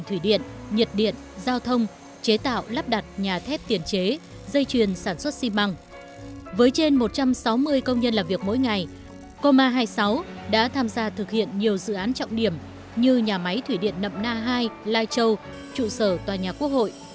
với trên một trăm sáu mươi công nhân làm việc mỗi ngày coma hai mươi sáu đã tham gia thực hiện nhiều dự án trọng điểm như nhà máy thủy điện nậm na hai lai châu trụ sở tòa nhà quốc hội